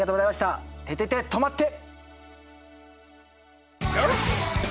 「ててて！とまって！」。